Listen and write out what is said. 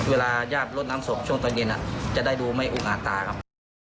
เวลาญาติลดน้ำศพช่วงตอนเย็นจะได้ดูไม่อุกอาจตาครับ